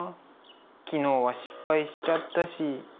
昨日は失敗しちゃったし。